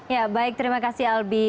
ya baik terima kasih albi